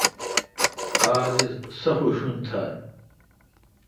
آج اس سخ اوشون تھال۔